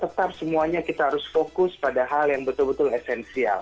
tetap semuanya kita harus fokus pada hal yang betul betul esensial